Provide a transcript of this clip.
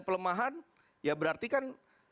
pelemahan ya berarti kan